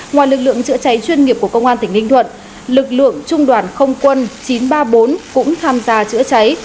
ngoài lực lượng chữa cháy chuyên nghiệp của công an tỉnh ninh thuận lực lượng trung đoàn không quân chín trăm ba mươi bốn cũng tham gia chữa cháy